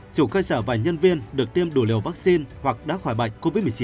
chủ cơ sở và nhân viên được tiêm đủ liều vaccine hoặc đã khỏi bệnh covid một mươi chín